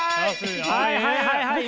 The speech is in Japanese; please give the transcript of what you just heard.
はいはいはいはい。